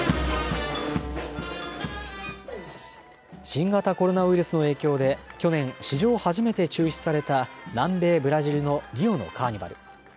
新型コロナウイルスの影響で去年、史上初めて中止された南米ブラジルのリオのカーニバル。